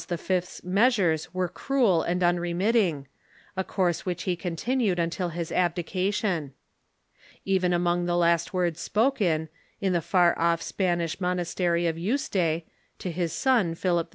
's measures were cruel and unremitting — a course which he continued until his abdica jLion. Even among the last words spoken, in the far off Span ish monastery of Yuste, to his son, Philip II.